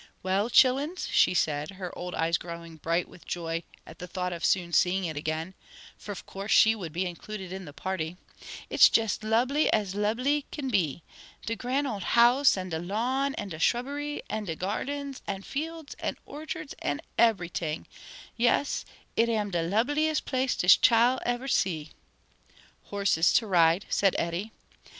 "Well, chillins," she said, her old eyes growing bright with joy at the thought of soon seeing it again for of course she would be included in the party "it's jes lubly as lubly kin be! de grand ole house, an' de lawn, an' de shrubbery, an' de gardens, an' fields, an' orchards, an' eberyting: yes, it am de lubliest place dis chile eber see." "Horses to ride," said Eddie.